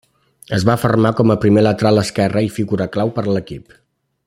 Es va afermar com a primer lateral esquerre i figura clau per a l'equip.